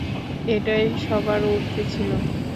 এটাই সবার উর্ধ্বে ছিল।